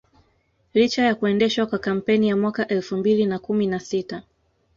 Licha ya kuendeshwa kwa kampeni ya mwaka elfu mbili na kumi na sita